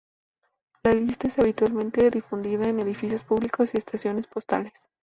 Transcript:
La lista es habitualmente difundida en edificios públicos y estaciones postales.